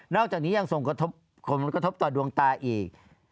ต่อจากนี้ยังส่งกระทบคนมันกระทบต่อดวงตาอีก